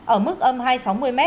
ở mức âm hai trăm sáu mươi